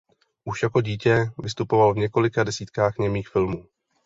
Už jako dítě vystupoval v několika desítkách němých filmů.